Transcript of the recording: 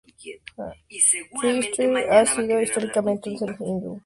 Thrissur ha sido históricamente un centro de educación hindú.